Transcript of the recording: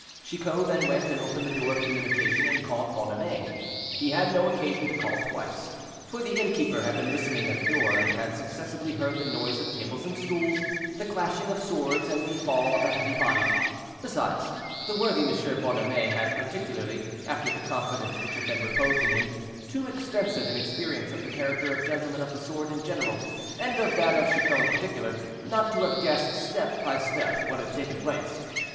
Chicot then went and opened the door of communication, and called Bonhomet. He had no occasion to call twice, for the innkeeper had been listening at the door, and had successively heard the noise of tables and stools, the clashing of swords, and the fall of a heavy body; besides, the worthy M. Bonhomet had particularly, after the confidence which had been reposed in him, too extensive an experience of the character of gentlemen of the sword in general, and of that of Chicot in particular, not to have guessed, step by step, what had taken place.